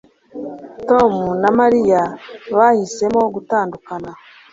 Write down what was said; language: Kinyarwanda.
Tom na Mariya bahisemo gutandukana